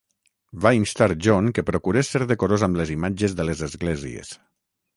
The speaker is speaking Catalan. Va instar John que procurés ser decorós amb les imatges de les esglésies.